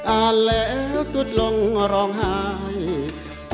อ่านและสุดลงร้องหาย